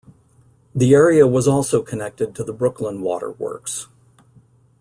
The area was also connected to the Brooklyn waterworks.